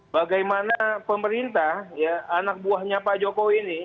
bagaimana pemerintah anak buahnya pak jokowi ini